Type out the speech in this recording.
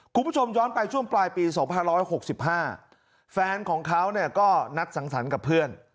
คุณผู้ชมย้อนไปช่วงปลายปีสองพันร้อยหกสิบห้าแฟนของเขาเนี่ยก็นัดสังสรรค์กับเพื่อน